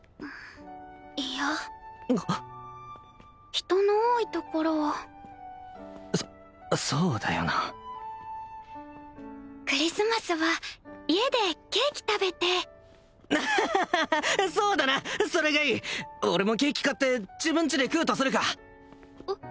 嫌人の多いところはそそうだよなクリスマスは家でケーキ食べてアハハハッそうだなそれがいい俺もケーキ買って自分ちで食うとするかえっ？